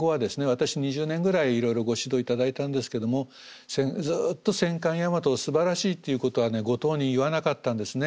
私２０年ぐらいいろいろご指導頂いたんですけどもずっと戦艦大和をすばらしいっていうことはねご当人言わなかったんですね。